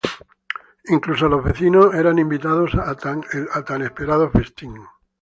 Incluso los vecinos eran invitados a tal esperado festín.